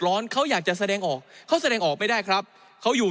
เขาอยากจะแสดงออกเขาแสดงออกไม่ได้ครับเขาอยู่